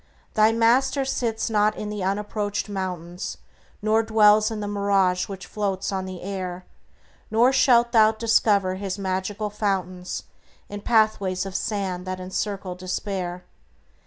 Thy Master sits not in the unapproached mountains, Nor dwells in the mirage which floats on the air, Nor shalt thou discover His magical fountains In pathways of sand that encircle despair.